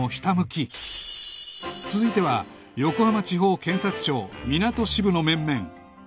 続いては横浜地方検察庁みなと支部の面々